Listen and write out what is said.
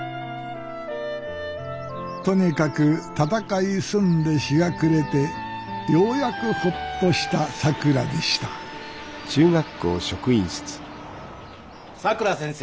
とにかく戦いすんで日が暮れてようやくホッとしたさくらでしたさくら先生。